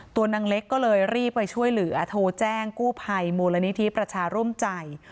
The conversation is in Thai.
ตัวนางเล็กก็เลยรีบไปช่วยเหลือโทรแจ้งกู้ภัยมูลนิธิประชาร่วมใจ